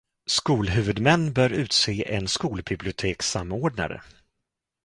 Skolhuvudmän bör utse en skolbibliotekssamordnare.